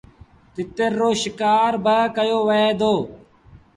تتر رو شڪآر با ڪيو وهي دو۔